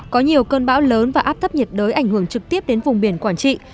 có nhiều cơn bão lớn và áp thấp nhiệt đới ảnh hưởng trực tiếp đến vùng biển quảng trị